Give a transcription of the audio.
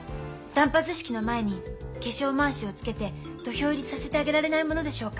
断髪式の前に化粧まわしをつけて土俵入りさせてあげられないものでしょうか。